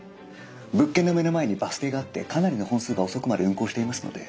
物件の目の前にバス停があってかなりの本数が遅くまで運行していますので。